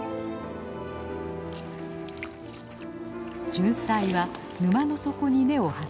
ジュンサイは沼の底に根を張っています。